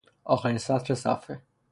آخرین سطر صفحه